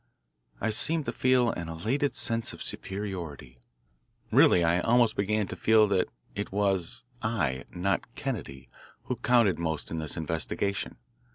I seemed to feel an elated sense of superiority really I almost began to feel that it was I, not Kennedy, who counted most in this investigation.